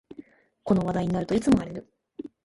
この話題になるといつも荒れる